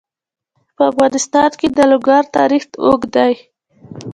په افغانستان کې د لوگر تاریخ اوږد دی.